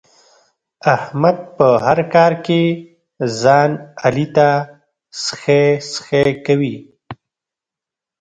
احمد په هر کار کې ځان علي ته سخی سخی کوي.